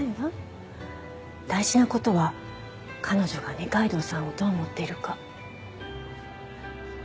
大事な事は彼女が二階堂さんをどう思っているか。